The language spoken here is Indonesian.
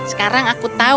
oh ya sekarang aku tahu ibu